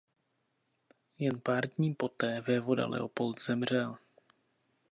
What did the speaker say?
Jen pár dní poté vévoda Leopold zemřel.